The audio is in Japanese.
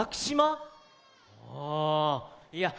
ああいや